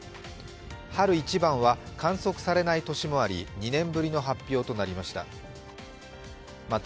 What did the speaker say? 春一番は観測されない年もあり、２年ぶりの発表となりました。